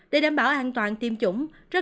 để đảm bảo an toàn tiêm chủng